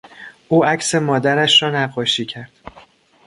او عکس مادرش را نقاشی کرد.